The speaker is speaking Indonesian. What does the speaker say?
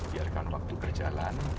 biarkan waktu kerjalan